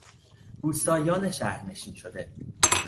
روستاییان شهرنشین شده